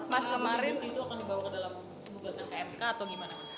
mas kemarin itu akan dibawa ke dalam kebutuhan kmk atau gimana